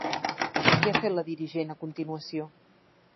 Què ha fet la dirigent a continuació?